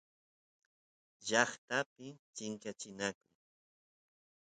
llaqtapi chinkachinakuy